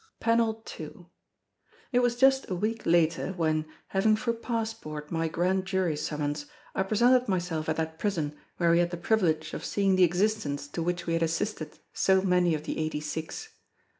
PANEL II It was just a week later when, having for passport my Grand Jury summons, I presented myself at that prison where we had the privilege of seeing the existence to which we had assisted so many of the eighty six.